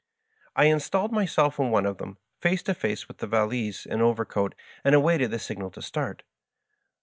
I in stalled myself in one of them, face to face with the valise and overcoat, and awaited the signal to start